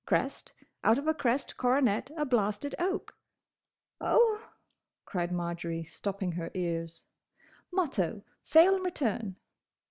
Crest: out of a crest coronet a blasted oak—" "Oh!" cried Marjory, stopping her ears. "—motto: Sayle and Return."